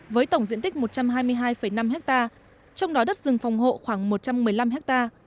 với tổng diện tích một trăm hai mươi hai năm ha trong đó đất rừng phòng hộ khoảng một trăm một mươi năm ha